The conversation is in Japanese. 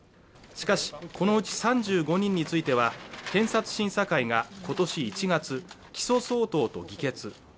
しかしこのうち３５人については検察審査会がことし１月起訴相当と議決